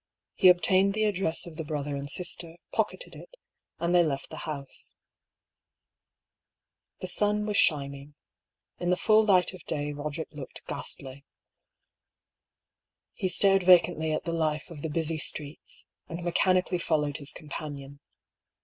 He obtained the address of the brother and sister, pocketed it, and they left the house. The sun was shining. In the full light of day Boderick looked ghastly. He stared vacantly at the life of the busy streets, and mechanically followed his companion.